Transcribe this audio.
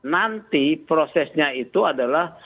nanti prosesnya itu adalah